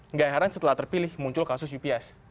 nggak heran setelah terpilih muncul kasus ups